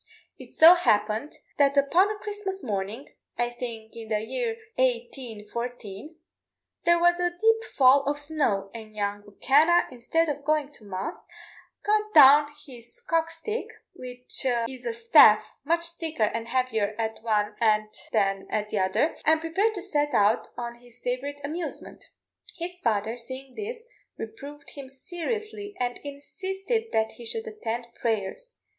It so happened that upon a Christmas morning, I think in the year 1814, there was a deep fall of snow, and young M'Kenna, instead of going to mass, got down his cock stick which is a staff much thicker and heavier at one end than at the other and prepared to set out on his favourite amusement. His father, seeing this, reproved him seriously, and insisted that he should attend prayers.